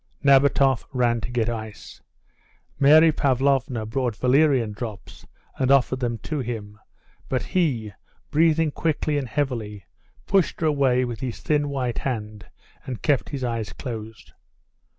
Nabatoff ran to get ice. Mary Pavlovna brought valerian drops and offered them to him, but he, breathing quickly and heavily, pushed her away with his thin, white hand, and kept his eyes closed.